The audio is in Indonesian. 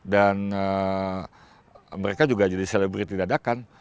dan mereka juga jadi selebriti dadakan